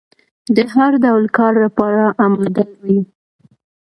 د هر ډول کار لپاره اماده وي.